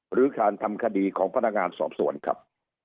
หรือการทำคดีของพนักงานสอบสวนครับ